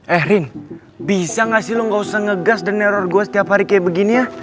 eh rin bisa gak sih lo enggak usah ngegas dan neror gue setiap hari kayak begini ya